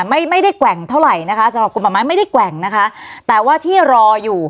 ไม่ได้แกว่งเท่าไหร่นะคะสำหรับกลมป่าไม้ไม่ได้แกว่งนะคะแต่ว่าที่รออยู่